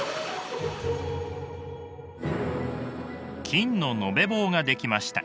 金の延べ棒ができました。